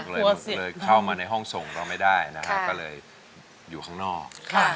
เลยเข้ามาในห้องส่งแล้วไม่ได้ด้ายอยู่ข้างนอก